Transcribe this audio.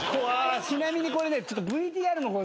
ちなみにこれね。